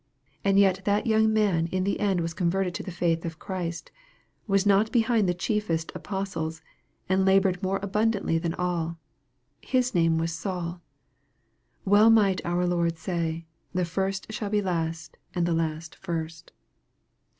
And yet that young man in the end was converted to the faith of Christ, was not behind the chiefest apostles, and labored more abund antly than all. His name was Saul. Well might our Lord say, " the first shall be last ; and the last first."